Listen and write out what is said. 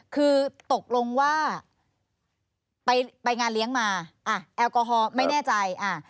คือตกลงว่าไปไปงานเลี้ยงมาอ่ะแอลกอฮอล์ไม่แน่ใจอ่า